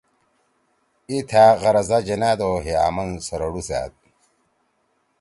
ای تھأ غرضہ جنأد او ہے آمن سررُوسأد۔